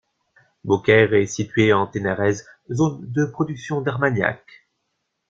Beaucaire est située en Ténarèze, zone de production d'Armagnac.